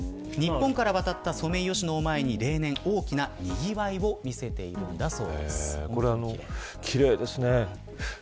日本から渡ったソメイヨシノを前に例年、大きなにぎわいをこれは奇麗ですね。